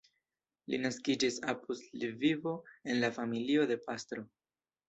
Li naskiĝis apud Lvivo en la familio de pastro.